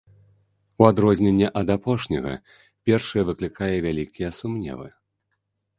У адрозненне ад апошняга, першае выклікае вялікія сумневы.